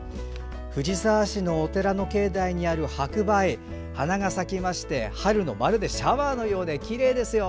藤沢市のお寺の境内にある白梅花が咲きましてまるで春のシャワーのようできれいですよ。